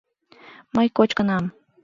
— Мый кочкынам.